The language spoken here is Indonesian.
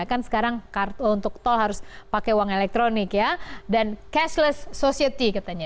kan sekarang untuk tol harus pakai uang elektronik ya dan cashless society katanya